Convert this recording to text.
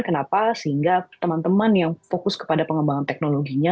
kenapa sehingga teman teman yang fokus kepada pengembangan teknologinya